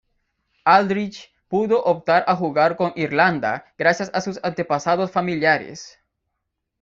Aldridge pudo optar a jugar con Irlanda gracias a sus antepasados familiares.